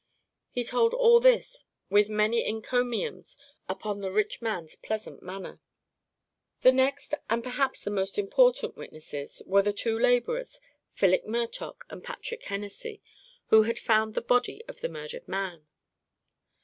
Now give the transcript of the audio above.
He told all this with many encomiums upon the rich man's pleasant manner. The next, and perhaps the most important, witnesses were the two labourers, Philip Murtock and Patrick Hennessy, who had found the body of the murdered man.